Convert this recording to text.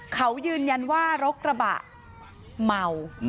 เขายืนยันว่ารกระบะเมา